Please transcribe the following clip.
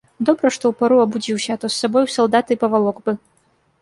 Добра, што ў пару абудзіўся, а то з сабой у салдаты і павалок бы.